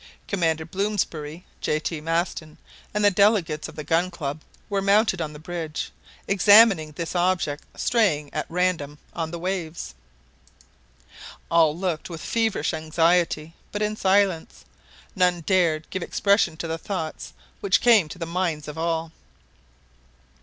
Commander Blomsberry, J. T. Maston, and the delegates of the Gun Club were mounted on the bridge, examining this object straying at random on the waves. All looked with feverish anxiety, but in silence. None dared give expression to the thoughts which came to the minds of all.